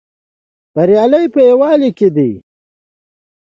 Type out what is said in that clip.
بریا په یوالی کې ده